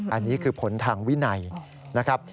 อันนี้คือผลทางวินัยนะครับ